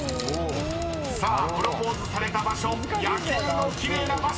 ［さあプロポーズされた場所夜景のきれいな場所は⁉］